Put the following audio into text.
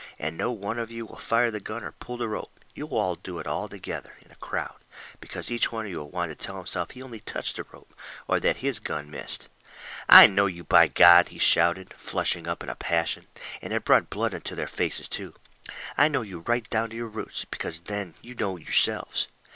And no ONE of you will fire the gun or pull the rope you'll do it ALL TOGETHER, in a crowd, because each one will want to tell himself he only touched the rope, or that HIS GUN missed. "I know you, by God!" he shouted, flushing up into a passion and it brought blood into their faces, too "I know you right down to your roots, better than you know yourselves."